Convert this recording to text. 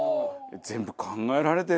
全部考えられてるんだ。